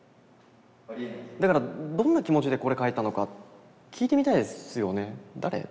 だからどんな気持ちでこれ書いたのか聞いてみたいですよね。